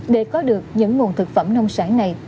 để có được những nguồn thực phẩm nông sản này